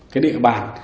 cái địa bàn